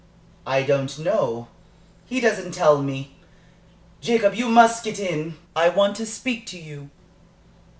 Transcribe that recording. "I don't know, he doesn't tell me. Jacob, you must get in. I want to speak to you."